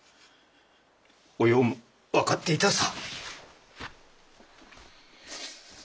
おようも分かっていたさ。